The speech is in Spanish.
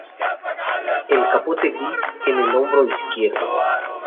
El capote gris en el hombro izquierdo.